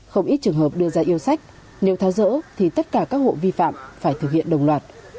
không ít trường hợp đưa ra yêu sách nếu tháo rỡ thì tất cả các hộ vi phạm phải thực hiện đồng loạt